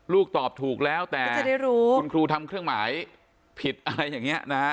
ตอบถูกแล้วแต่คุณครูทำเครื่องหมายผิดอะไรอย่างนี้นะฮะ